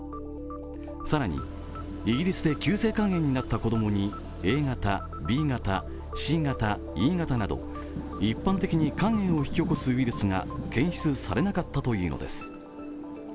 更に、イギリスで急性肝炎になった子供に、Ａ型、Ｂ型Ｃ型、Ｅ型など一般的に肝炎を引き起こすウイルスが検出されなかったということです。